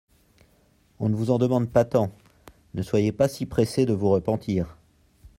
On ne vous en demande pas tant ! ne soyez pas si pressée de vous repentir.